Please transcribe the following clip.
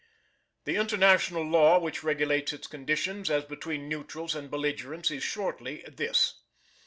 The International Law which regulates its conditions as between neutrals and belligerents is shortly this.